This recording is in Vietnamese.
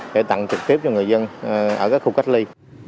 để tặng trực tiếp cho người dân ở các khu cách ly